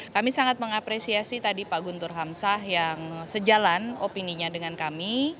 kami sangat mengapresiasi tadi pak guntur hamsah yang sejalan opininya dengan kami